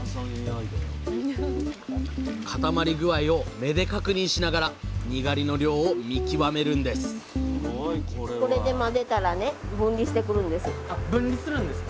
固まり具合を目で確認しながらにがりの量を見極めるんです分離するんですか？